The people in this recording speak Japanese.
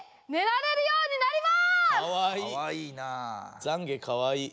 ざんげかわいい。